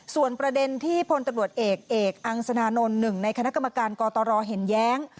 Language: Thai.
ส่วนประเด็นที่พลตำรวจเอกเอกอังสนานนท์หนึ่งในคณะกรรมการกตรเห็นแย้ง